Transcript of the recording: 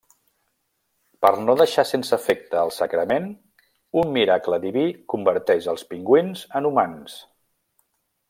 Per no deixar sense efecte el sagrament, un miracle diví converteix els pingüins en humans.